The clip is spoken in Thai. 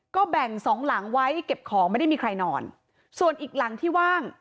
ก็แบ่งสองหลังไว้เก็บของไม่ได้มีใครนอนส่วนอีกหลังที่ว่าง